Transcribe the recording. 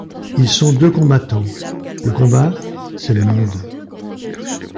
Ils sont deux combattants. Le combat, c’est le monde.